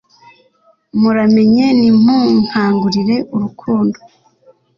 muramenye ntimunkangurire urukundo